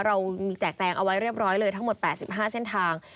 เรามีแจกแจงเอาไว้เรียบร้อยเลยทั้งหมด๘๕เส้นทาง